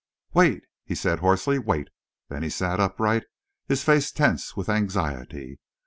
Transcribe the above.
"Wait!" he said, hoarsely. "Wait!" Then he sat upright, his face tense with anxiety.